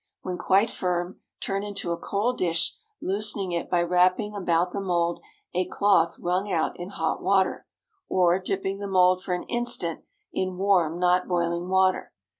When quite firm, turn into a cold dish, loosening it by wrapping about the mould a cloth wrung out in hot water, or dipping the mould for an instant in warm, not boiling water.